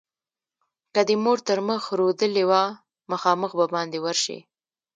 که دې مور تر مخ رودلې وه؛ مخامخ به باندې ورشې.